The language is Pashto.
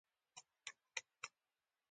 ایا زه باید د خولې اوبه وکاروم؟